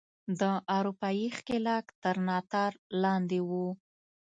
د اروپايي ښکېلاک تر ناتار لاندې وو.